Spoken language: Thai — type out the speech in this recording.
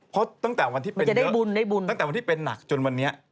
เพราะตั้งแต่วันที่เป็นเยอะตั้งแต่วันที่เป็นหนักจนวันนี้